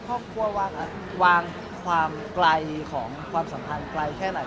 พ่อกลัววางความสัมพันธ์ไกลแค่ไหน